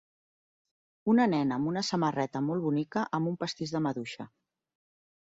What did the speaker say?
Una nena amb una samarreta molt bonica amb un pastís de maduixa.